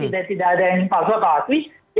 tentu tidak ada yang palsu atau asli